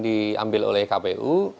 diambil oleh kpu